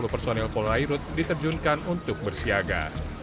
satu ratus lima puluh personel polairut diterjunkan untuk bersiaga